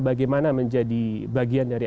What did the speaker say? bagaimana menjadi bagian dari